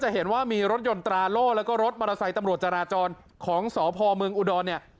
ยนต์ตราโล่แล้วก็รถมอเตอร์ไซค์ตำรวจจาราจรของสภเมืองอุดรเนี่ย